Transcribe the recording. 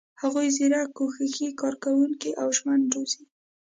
هغوی زیرک، کوښښي، کارکوونکي او ژمن روزي.